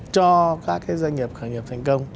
cho các doanh nghiệp khởi nghiệp thành công